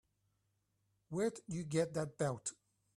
Where'd you get that belt?